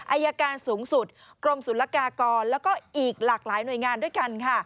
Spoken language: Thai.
อัยการสูงสุดกรมศูนยากากรและอีกหลากหลายหน่วยงานด้วยกัน